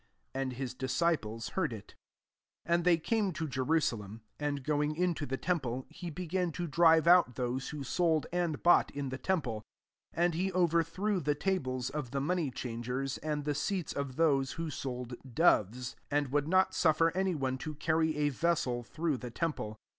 And his disciples heard it. 15 And they came to Jeru salem : and going into the temple, he began to drive out those who sold and bought in the temple : and he overthrew the tables of the nwney chang ers, and the seats of those who sold doves ; 16 and would not suffer any one to carry a vessel through Uic temple.